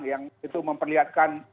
yang itu memperlihatkan